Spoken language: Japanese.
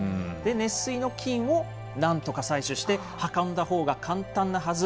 熱水の金をなんとか採取して、運んだほうが簡単なはず。